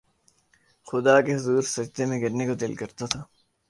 خدا کے حضور سجدے میں گرنے کو دل کرتا تھا